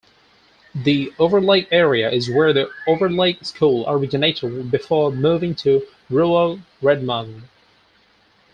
The Overlake area is where The Overlake School originated before moving to rural Redmond.